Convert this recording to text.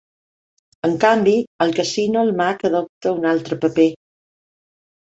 En canvi, al casino el mag adopta un altre paper.